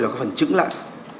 là có phần chứng lại